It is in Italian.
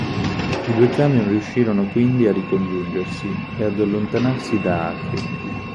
I due camion riuscirono quindi a ricongiungersi e ad allontanarsi da Acri.